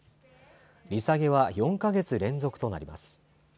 利下げは４か月連続となります。